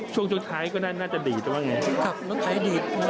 ช่วงช่วงท้ายก็น่าจะดีดหรือเปล่าไงครับรถไถดีดตอนถอยนะครับ